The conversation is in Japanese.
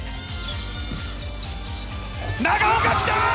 長岡、きた！